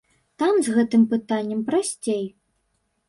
Там з гэтым пытаннем прасцей.